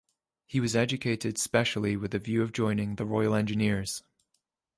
He was educated specially with a view to joining the Royal Engineers.